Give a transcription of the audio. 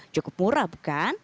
cukup murah bukan